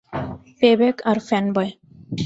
Payback আর fanboy.